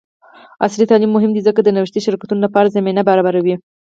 عصري تعلیم مهم دی ځکه چې د نوښتي شرکتونو لپاره زمینه برابروي.